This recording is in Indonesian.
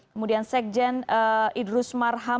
kemudian sekjen idrus marham